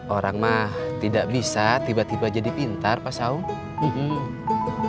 orang mah tidak bisa tiba tiba jadi pintar pak saung